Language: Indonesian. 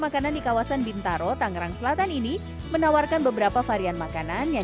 makanan di kawasan bintaro tangerang selatan ini menawarkan beberapa varian makanan yang